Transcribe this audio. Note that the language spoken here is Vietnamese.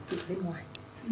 đi ra ngoài